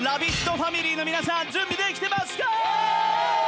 ファミリーの皆さん、準備できてますか？